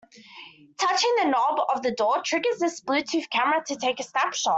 Touching the knob of the door triggers this Bluetooth camera to take a snapshot.